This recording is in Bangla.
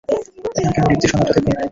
এখানকার নির্দেশনাটা দেখুন।